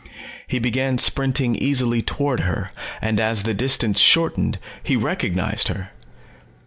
He began sprinting easily toward her, and as the distance shortened, he recognized her.